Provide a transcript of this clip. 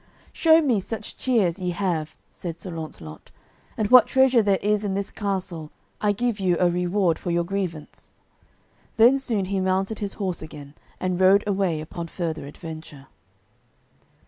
"Show me such cheer as ye have," said Sir Launcelot, "and what treasure there is in this castle I give you for a reward for your grievance." Then soon he mounted his horse again, and rode away upon further adventure.